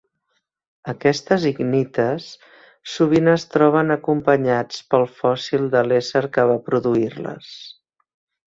Aquestes icnites sovint es troben acompanyats pel fòssil de l'ésser que va produir-les.